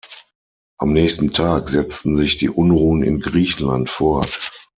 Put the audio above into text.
Am nächsten Tag setzten sich die Unruhen in Griechenland fort.